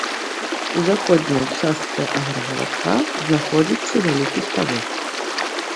У заходняй частцы аграгарадка знаходзіцца вялікі ставок.